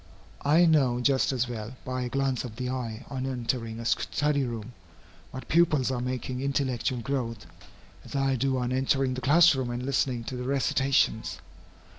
I know just as well, by a glance of the eye on entering a study room, what pupils are making intellectual growth, as I do on entering the class room and listening to the recitations.